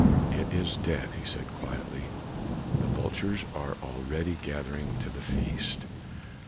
"It is death," he said quietly. "The vultures are already gathering to the feast."